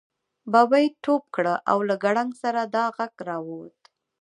ببۍ ټوپ کړه او له کړنګ سره دا غږ را ووت.